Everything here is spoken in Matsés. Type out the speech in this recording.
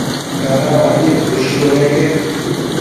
dada uaic nid ushë budeque